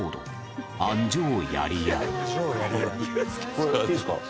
これいいですか？